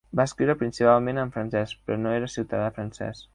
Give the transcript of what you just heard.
Va escriure principalment en francès, però no era ciutadà francès.